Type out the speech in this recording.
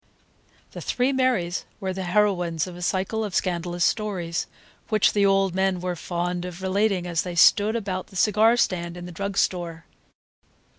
The three Marys were the heroines of a cycle of scandalous stories, which the old men were fond of relating as they sat about the cigar stand in the drug store.